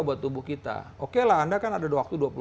buat tubuh kita oke lah anda kan ada waktu